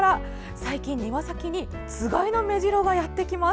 最近、庭先につがいのメジロがやってきます。